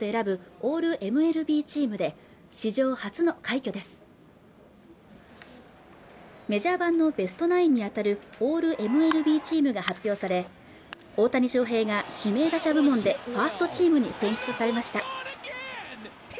オールＭＬＢチームで史上初の快挙ですメジャー版のベストナインに当たるオールＭＬＢチームが発表され大谷翔平が指名打者部門でファーストチームに選出されました